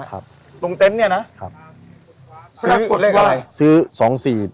ครับตรงเต็นต์เนี้ยนะครับซื้อตัวเลขอะไรซื้อสองสี่